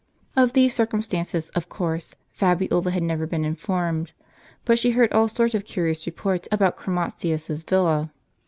Of these circumstances, of course, Fabiola had never been informed; but she heard all sorts of curious reports about Chromatius's villa.